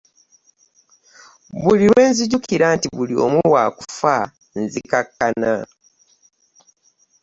Buli lwe nzijukira nti buli omu wa kufa nzikakkana.